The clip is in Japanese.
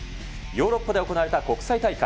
ヨーロッパで行われた国際大会。